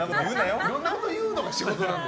いろんなこと言うのが仕事なんで。